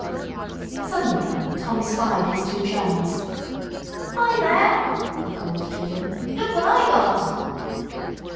Suddenly Tom spied his two chums. "Hi there!" he called to them. "Look what I got!"